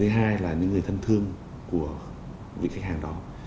thứ hai là những người thân thương của vị khách hàng đó